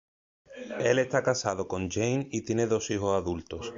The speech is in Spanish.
Él está casado con Jane y tienen dos hijos adultos.